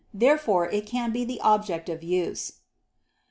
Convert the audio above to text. Therefore it can be the object of use.